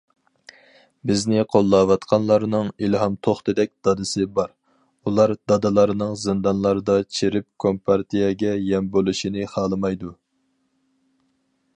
بىزنى قوللاۋاتقانلارنىڭ ئىلھام توختىدەك دادىسى بار، ئۇلار دادىلارنىڭ زىندانلاردا چىرىپ كومپارتىيەگە يەم بولۇشىنى خالىمايدۇ.